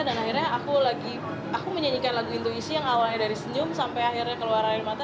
dan akhirnya aku menyanyikan lagu intuisi yang awalnya dari senyum sampai akhirnya keluar air mata